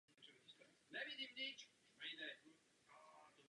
Smíšené zboží je již delší dobu uzavřeno a hostinec neustále mění provozovatele.